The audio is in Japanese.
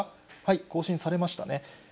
更新されましたね。